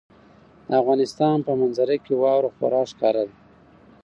د افغانستان په منظره کې واوره خورا ښکاره ده.